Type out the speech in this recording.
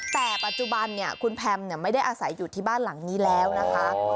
แต่ปัจจุบันคุณแพมไม่ได้อาศัยอยู่ที่บ้านหลังนี้แล้วนะคะ